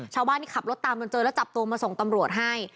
ชาวบ้านขับรถตามจับตัวมาส่งตำรวจให้